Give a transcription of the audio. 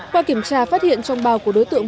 qua kiểm tra phát hiện trong bao của đối tượng